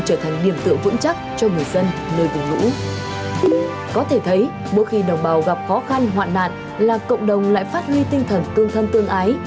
chúc các ảnh hoạn nạn là cộng đồng lại phát huy tinh thần tương thân tương ái